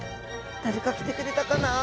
誰か来てくれたかな？